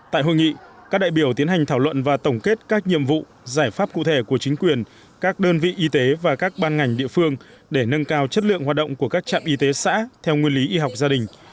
tại hội nghị các đại biểu tiến hành thảo luận và tổng kết các nhiệm vụ giải pháp cụ thể của chính quyền các đơn vị y tế và các ban ngành địa phương để nâng cao chất lượng hoạt động của các trạm y tế xã theo nguyên lý y học gia đình